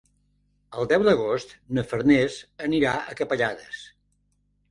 El deu d'agost na Farners anirà a Capellades.